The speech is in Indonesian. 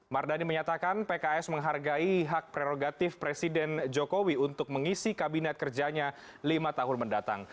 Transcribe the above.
mardani menyatakan pks menghargai hak prerogatif presiden jokowi untuk mengisi kabinet kerjanya lima tahun mendatang